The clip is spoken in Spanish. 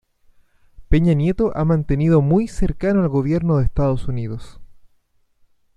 Peña Nieto ha mantenido muy cercano al gobierno de Estados Unidos.